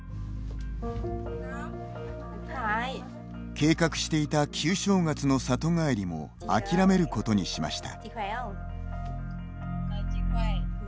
計画していた旧正月の里帰りも諦めることにしました。